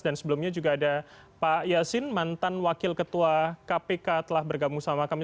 dan sebelumnya juga ada pak yasin mantan wakil ketua kpk telah bergabung sama kami